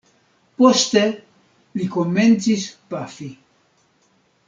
Poste li komencis pafi.